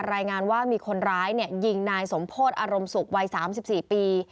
รายงานว่ามีคนร้ายยิงนายสมโพธิอารมณ์สุขวัย๓๔ปี